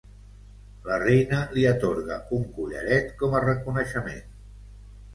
La reina li atorga un collaret com a reconeixement.